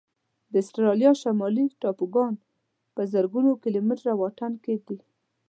د استرالیا شمالي ټاپوګان په زرګونو کيلومتره واټن کې دي.